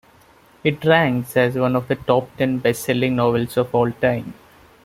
It ranks as one of the top-ten bestselling novels of all-time.